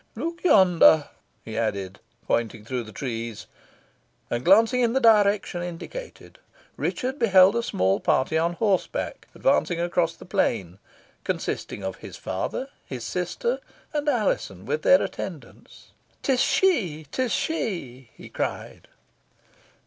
Look yonder!" he added, pointing through the trees. And, glancing in the direction indicated, Richard beheld a small party on horseback advancing across the plain, consisting of his father, his sister, and Alizon, with their attendants. "'Tis she! 'tis she!" he cried.